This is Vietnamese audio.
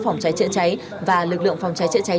phòng cháy chữa cháy và lực lượng phòng cháy chữa cháy